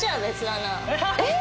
えっ？